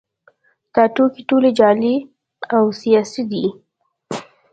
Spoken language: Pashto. دا ټوکې ټولې جعلي او سیاسي دي